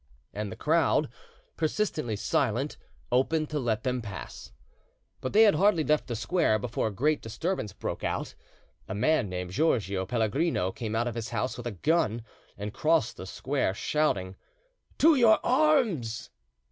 And the crowd, persistently silent, opened to let them pass. But they had hardly left the square before a great disturbance broke out. A man named Giorgio Pellegrino came out of his house with a gun and crossed the square, shouting, "To your arms!"